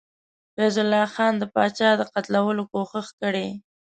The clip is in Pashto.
فیض الله خان د پاچا د قتلولو کوښښ کړی.